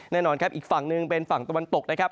แน่นอนครับอีกฝั่งหนึ่งเป็นฝั่งตะวันตกนะครับ